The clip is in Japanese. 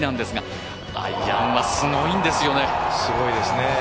すごいですね。